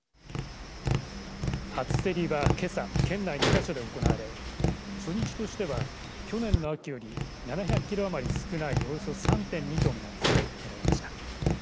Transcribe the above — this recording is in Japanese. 初競りはけさ県内２か所で行われ初日としては去年の秋より７００キロ余り少ないおよそ３．２トンが競りにかけられました。